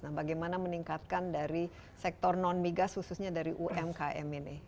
nah bagaimana meningkatkan dari sektor non migas khususnya dari umkm ini